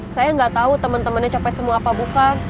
saya nggak tau temen temennya copet semua apa bukan